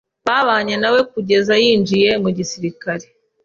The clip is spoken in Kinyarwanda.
babanye na we kugeza yinjiye mu gisirikare